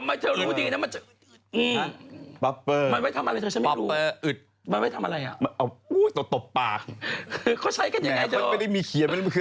ฝรั่งเศกก็มีเกรงเออ